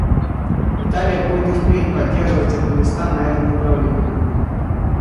Италия будет и впредь поддерживать Афганистан на этом направлении.